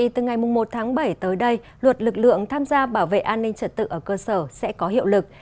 từ ngày một tháng bảy tới đây luật lực lượng tham gia bảo vệ an ninh trật tự ở cơ sở sẽ có hiệu lực